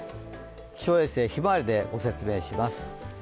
気象衛星ひまわりでご説明します。